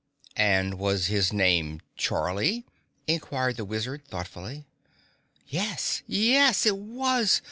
"And was his name Charlie?" inquired the Wizard thoughtfully. "Yes! Yes, it was!